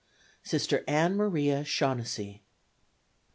Sister Ann Maria Shaughonessy.